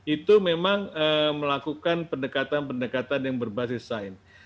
itu memang melakukan pendekatan pendekatan yang berbasis sains